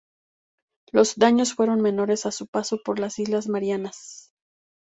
Los daños fueron menores a su paso por las islas Marianas.